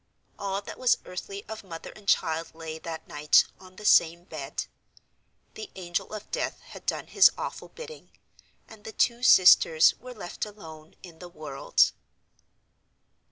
All that was earthly of mother and child lay, that night, on the same bed. The Angel of Death had done his awful bidding; and the two Sisters were left alone in the world.